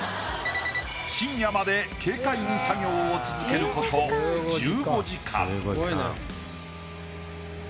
深夜まで軽快に作業を続けること１５時間。